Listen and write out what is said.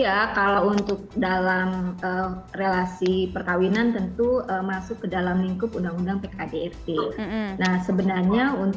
ya kalau untuk dalam relasi perkahwinan tentu masuk ke dalam lingkup undang undang pkdrt